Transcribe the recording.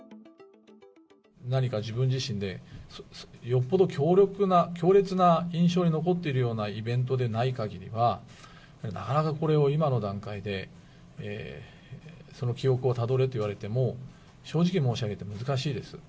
何か自分自身で、よっぽど強力な、強烈な印象に残っているようなイベントでないかぎりは、なかなかこれを今の段階で、その記憶をたどれと言われても、正直申し上げて難しいです。